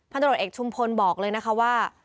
พันธุรกิจเอกชุมพลบอกเลยว่า